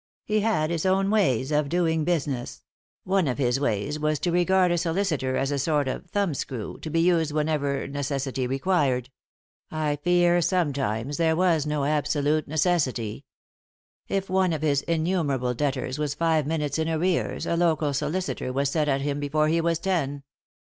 He had his own ways of doing business ; one of his ways was to regard a solicitor as a sort of thumbscrew, to be used whenever necessity required ; I fear sometimes when there was no absolute necessity. If one of his innumerable debtors was five minutes in arrears, a local solicitor was set at him before he was ten.